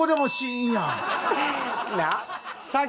なっ。